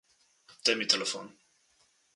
Daj mi telefon.